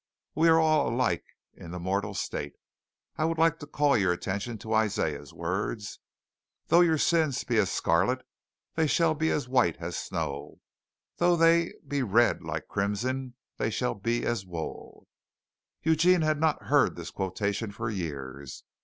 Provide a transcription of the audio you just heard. We are all alike in the mortal state. I would like to call your attention to Isaiah's words, 'Though your sins be as scarlet, they shall be as white as snow; though they be red like crimson, they shall be as wool.'" Eugene had not heard this quotation for years.